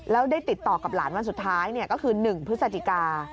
แล้วได้ติดต่อกับหลานวันสุดท้ายก็คือ๑พฤศจิกา